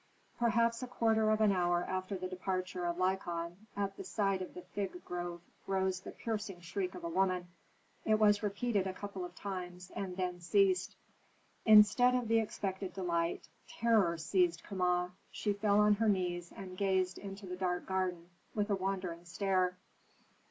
Perhaps a quarter of an hour after the departure of Lykon, at the side of the fig grove rose the piercing shriek of a woman. It was repeated a couple of times, and then ceased. Instead of the expected delight, terror seized Kama. She fell on her knees, and gazed into the dark garden with a wandering stare.